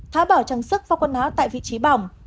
tháo bỏ trang sức và quần áo tại vị trí bỏng